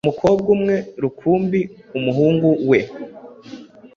Umukobwa umwe rukumbi umuhungu we